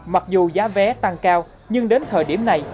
mặc dù giá vé tăng cao nhưng đến thời điểm này